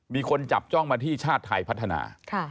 มีคนจับจ้องมาที่ชาติไทยพัฒนา